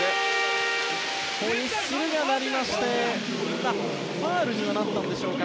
ホイッスルが鳴りましてファウルになったんでしょうか。